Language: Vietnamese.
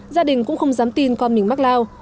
gia đình cũng không dám tin con mình mắc lao